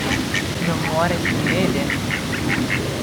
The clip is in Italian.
Chi non muore si rivede.